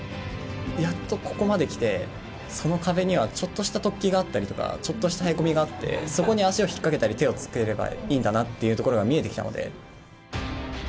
やっとここまで来て、その壁にはちょっとした突起があったりとか、ちょっとしたへこみがあって、そこに足を引っ掛けたり手をつけたりすればいいんだなっていうところが見えてきたので。